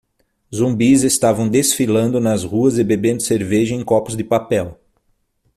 Zumbis estavam desfilando nas ruas e bebendo cerveja em copos de papel.